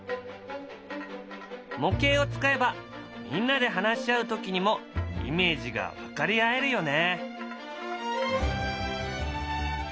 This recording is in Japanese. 模型を使えばみんなで話し合う時にもイメージが分かり合えるよね。